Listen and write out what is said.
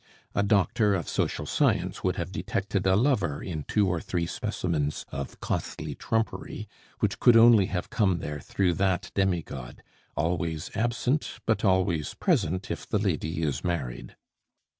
A doctor of social science would have detected a lover in two or three specimens of costly trumpery, which could only have come there through that demi god always absent, but always present if the lady is married.